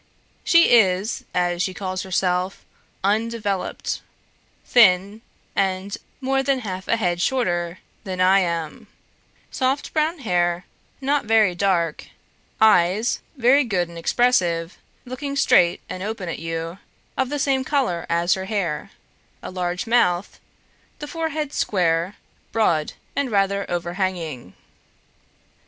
She is (as she calls herself) UNDEVELOPED, thin, and more than half a head shorter than I am; soft brown hair, not very dark; eyes (very good and expressive, looking straight and open at you) of the same colour as her hair; a large mouth; the forehead square, broad and rather over hanging.